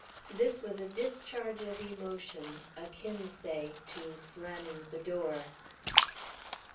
This was a discharge of emotion akin, say, to slamming the door.